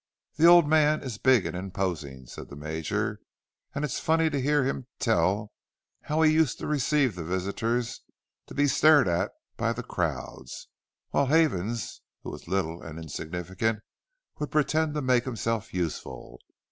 "The old man is big and imposing," said the Major, "and it's funny to hear him tell how he used to receive the visitors and be stared at by the crowds, while Havens, who was little and insignificant, would pretend to make himself useful.